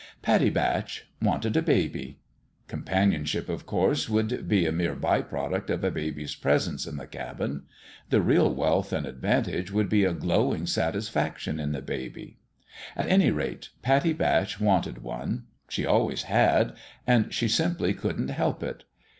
Pattie Batch wanted a baby. Companionship, of course, would be a mere by product of a baby's presence in the cabin ; the real wealth and advantage would be a glowing satisfaction in the baby. At any rate, Pattie Batch wanted one : she always had and she simply couldn't help it.